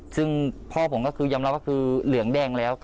ซึ่งพ่อผมก็คือยอมรับว่าคือเหลืองแดงแล้ว